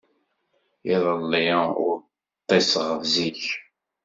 Iḍelli ur ḍḍiseɣ zik.